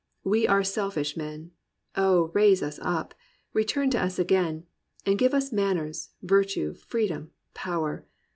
We are selfish men; Oh ! raise us up; return to us again; And give us manners, virtue, freedom, power.